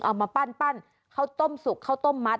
เอามาปั้นข้าวต้มสุกข้าวต้มมัด